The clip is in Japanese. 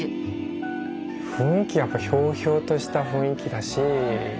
雰囲気はやっぱひょうひょうとした雰囲気だし